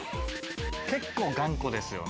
結構頑固ですよね。